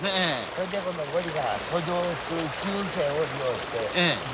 それで今度ゴリが遡上する習性を利用して。